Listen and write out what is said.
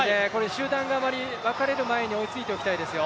集団があまり分かれる前に追いついておきたいですよ。